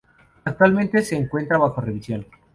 Actualmente se encuentra bajo revisión.